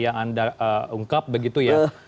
yang anda ungkap begitu ya